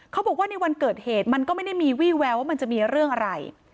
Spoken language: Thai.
เขาบอกว่าในวันเกิดเหตุมันก็ไม่ได้มีวี่แววว่ามันจะมีเรื่องอะไร